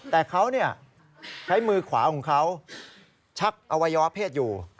แต่เขาใช้มือขวาของเขาชักอวัยวะเพศอยู่